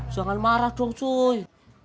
jangan marah dong cuy